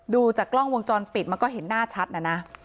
ดูจากกล้องวงจรปิดมันก็เห็นหน้าชัดนะนะ